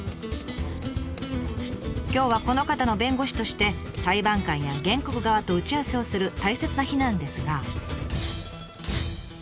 今日はこの方の弁護士として裁判官や原告側と打ち合わせをする大切な日なんですが。